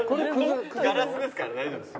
ガラスですから大丈夫です。